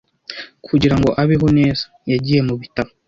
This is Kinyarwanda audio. Kugira ngo abeho neza, yagiye mu bitaro.